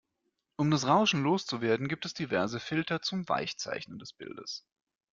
Um das Rauschen loszuwerden, gibt es diverse Filter zum Weichzeichnen des Bildes.